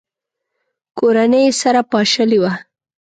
کورنۍ یې سره پاشلې وه.